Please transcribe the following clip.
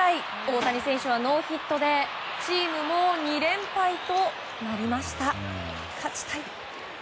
大谷選手はノーヒットでチームも２連敗となりました。